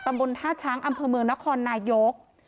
ตำบลท่าช้างอำเภอเมืองนครนายก